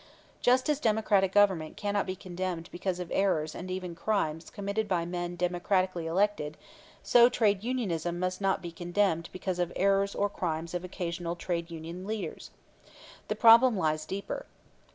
Just as democratic government cannot be condemned because of errors and even crimes committed by men democratically elected, so trade unionism must not be condemned because of errors or crimes of occasional trade union leaders. The problem lies deeper.